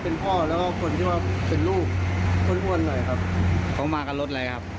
เป็นพ่อแล้วก็คนที่ว่าเป็นลูกอ้วนหน่อยครับเขามากับรถอะไรครับ